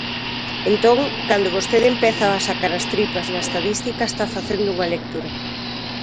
Entón, cando vostede empeza a sacar as tripas na estatística está facendo unha lectura.